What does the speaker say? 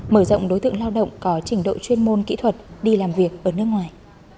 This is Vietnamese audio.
mở rộng đối tượng lao động có trình độ chuyên môn kỹ thuật đi làm việc ở nước ngoài